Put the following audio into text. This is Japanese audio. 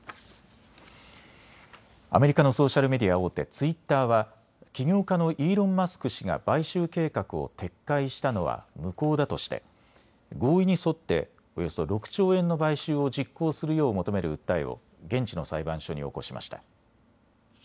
アメリカのソーシャルメディア大手、ツイッターは起業家のイーロン・マスク氏が買収計画を撤回したのは無効だとして合意に沿っておよそ６兆円の買収を実行するよう求める訴えを現地の裁判所に起こしました。